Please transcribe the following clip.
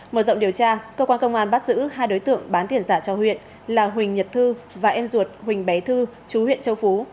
mở rộng điều tra cơ quan công an bắt giữ hai đối tượng bán tiền giả cho huyện là huỳnh nhật thư và em ruột huỳnh bé thư chú huyện châu phú